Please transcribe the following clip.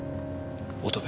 乙部。